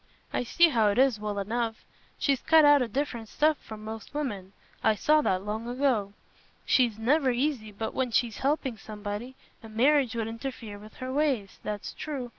I see how it is, well enough. She's cut out o' different stuff from most women: I saw that long ago. She's never easy but when she's helping somebody, and marriage 'ud interfere with her ways—that's true.